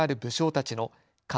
たちのか